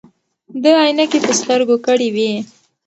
ده عینکې په سترګو کړې وې.